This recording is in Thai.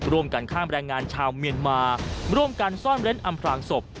ร่วมกันข้ามแรงงานชาวเมียนมาร่วมกันซ่อนเร้นอำพลางศพ